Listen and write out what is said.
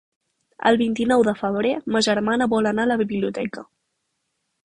El vint-i-nou de febrer ma germana vol anar a la biblioteca.